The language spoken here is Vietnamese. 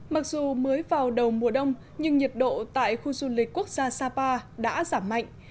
mặc dù mới vào đầu mùa đông nhưng nhiệt độ tại khu du lịch quốc gia sapa đã giảm mạnh